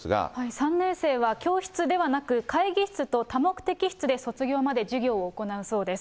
３年生は教室ではなく、会議室と多目的室で卒業まで授業を行うそうです。